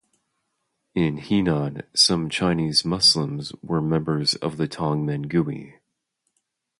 In Henan, some Chinese Muslims were members of the Tongmenghui.